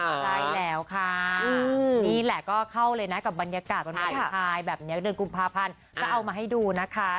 ใช่แล้วค่ะนี่แหละก็เข้าเลยนะกับบรรยากาศวันวาเลนไทยแบบนี้เดือนกุมภาพันธ์ก็เอามาให้ดูนะคะ